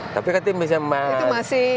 tapi kan itu masih bisa digunakan